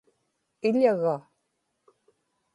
iḷaga